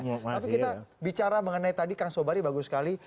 tapi kita bicara mengenai tadi kang sobari bagus sekali